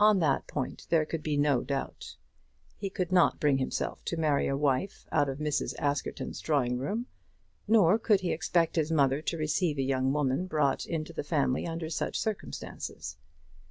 On that point there could be no doubt. He could not bring himself to marry a wife out of Mrs. Askerton's drawing room, nor could he expect his mother to receive a young woman brought into the family under such circumstances.